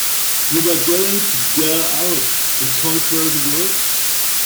You were going to go out and conquer the world!